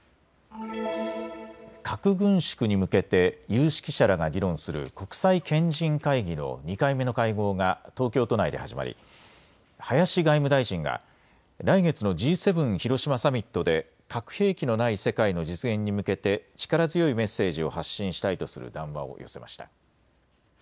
核軍縮に向けて有識者らが議論する国際賢人会議の２回目の会合が東京都内で始まり林外務大臣が来月のＧ７広島サミットで核兵器のない世界の実現に向けて力強いメッセージを発信したいとする談話を寄せました。